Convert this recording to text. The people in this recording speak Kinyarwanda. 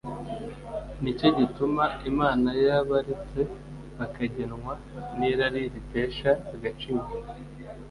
”Ni cyo gituma Imana yabaretse bakagengwa n’irari ritesha agaciro